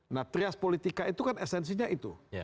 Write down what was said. nah trias politika itu kan esensinya itu